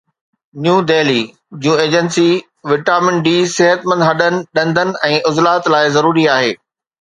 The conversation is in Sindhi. نيو Delhi June agency vitamin D صحتمند هڏن، ڏندن ۽ عضلات لاءِ ضروري آهي